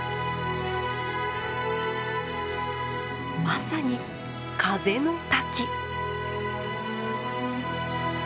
まさに風の滝。